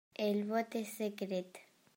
El vot és secret.